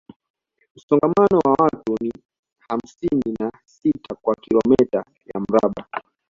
Msongamano wa watu ni hamsini na sita kwa kilomita ya mraba